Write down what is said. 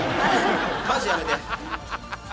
「マジやめて！」